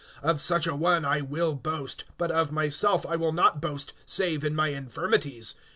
(5)Of such a one I will boast; but of myself I will not boast, save in my infirmities.